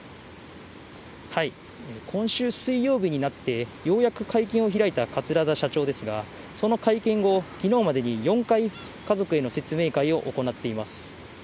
今週水曜日になってようやく会見を開いた桂田社長ですが、その会見後、きのうまでに４回、家族への説明会を行っています。